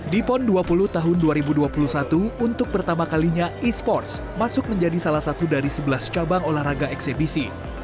di pon dua puluh tahun dua ribu dua puluh satu untuk pertama kalinya e sports masuk menjadi salah satu dari sebelas cabang olahraga eksebisi